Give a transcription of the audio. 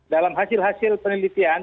dalam hasil hasil penelitian